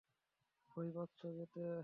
ভয় পাচ্ছো যেতে?